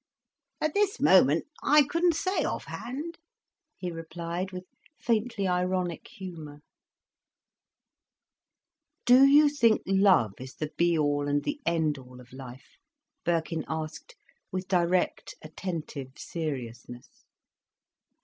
"At this moment, I couldn't say off hand," he replied, with faintly ironic humour. "Do you think love is the be all and the end all of life?" Birkin asked, with direct, attentive seriousness.